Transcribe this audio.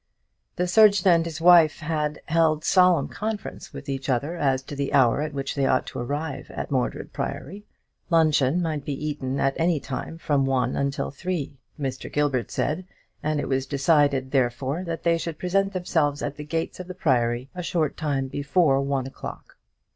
The surgeon and his wife had held solemn conference with each other as to the hour at which they ought to arrive at Mordred Priory. Luncheon might be eaten at any time from one until three. Mr. Gilbert said; and it was decided, therefore, that they should present themselves at the gates of the Priory a short time before one o'clock.